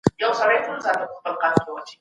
دا پروژه دوام لري.